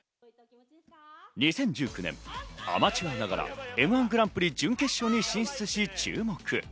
２０１９年、アマチュアながらМ‐１グランプリ準決勝に進出し注目。